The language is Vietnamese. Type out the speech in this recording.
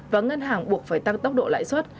và ngân hàng buộc phải tăng tốc độ lãi suất